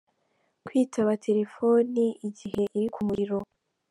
Kwitaba telefoni igihe iri ku muriro.